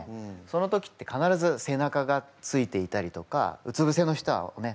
その時って必ず背中がついていたりとかうつぶせの人はね